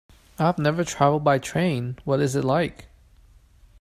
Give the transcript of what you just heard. I have never traveled by train, what is it like?